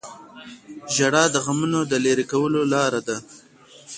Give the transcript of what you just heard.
• ژړا د غمونو د لرې کولو لاره ده.